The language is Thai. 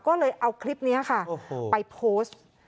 ก็เลยเอาคลิปนี้ค่ะไปโพสต์